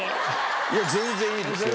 いや全然いいですよ。